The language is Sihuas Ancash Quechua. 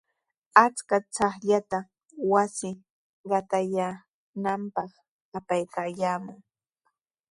Achka chaqllata wasi qatayaananpaq apaykaayaamun.